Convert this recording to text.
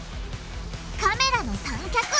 カメラの三脚。